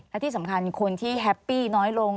และที่สำคัญคนที่แฮปปี้น้อยลง